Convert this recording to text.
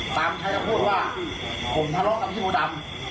ตังค์ใช้โปรดว่าผมทะเลาะกับพี่โบดำ